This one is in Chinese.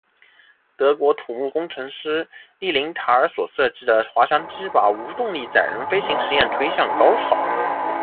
德国土木工程师利林塔尔所设计的滑翔机把无动力载人飞行试验推向高潮。